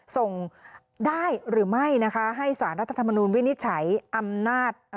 ส่งได้หรือไม่นะคะให้สารรัฐธรรมนูลวินิจฉัยอำนาจ